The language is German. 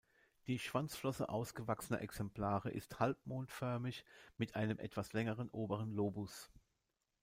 Die Schwanzflosse ausgewachsener Exemplare ist halbmondförmig, mit einem etwas längeren oberen Lobus.